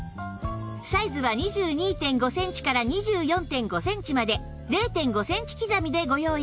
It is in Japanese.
サイズは ２２．５ センチから ２４．５ センチまで ０．５ センチ刻みでご用意しています